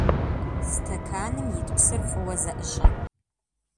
Стэканым ит псыр фӀыуэ зэӀыщӀэ.